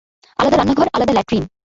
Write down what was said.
আলাদা রান্নাঘর, আলাদা ল্যাট্রিন।